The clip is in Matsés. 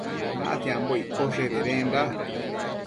Natiambo iccoshe bedenda